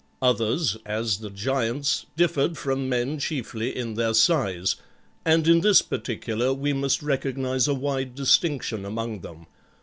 Others, as the giants, differed from men chiefly in their size; and in this particular we must recognize a wide distinction among them.